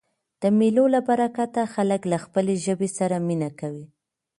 د مېلو له برکته خلک له خپلي ژبي سره مینه کوي.